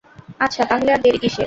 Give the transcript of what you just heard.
আচ্ছা, তাহলে আর দেরি কিসের?